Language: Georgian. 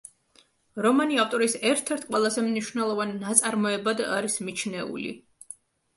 რომანი ავტორის ერთ-ერთ ყველაზე მნიშვნელოვან ნაწარმოებად არის მიჩნეული.